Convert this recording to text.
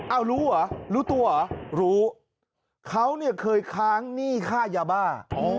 เอารู้เหรอรู้ตัวเหรอรู้เขาเนี่ยเคยค้างหนี้ค่ายาบ้า